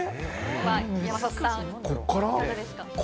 山里さん、いかがですか。